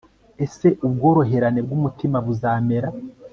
ese ubworoherane bw'umutima buzamera